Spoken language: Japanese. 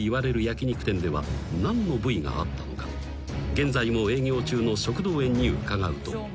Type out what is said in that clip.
［現在も営業中の食道園に伺うと］